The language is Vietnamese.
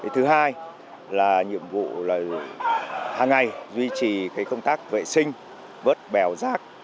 thứ hai là nhiệm vụ hàng ngày duy trì công tác vệ sinh vớt bèo rác